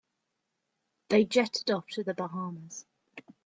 They jetted off to the Bahamas.